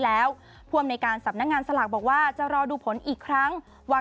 แล้วผู้อำนวยการสำนักงานสลากบอกว่าจะรอดูผลอีกครั้งว่า